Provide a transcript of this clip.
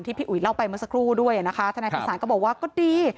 พี่อุ๋ยเล่าไปเมื่อสักครู่ด้วยนะคะทนายภัยศาลก็บอกว่าก็ดี